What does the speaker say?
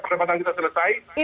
kelebatan kita selesai